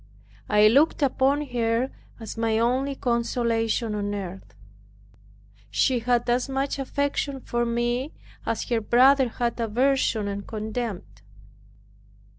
I looked upon her as my only consolation on earth. She had as much affection for me, as her brother had aversion and contempt.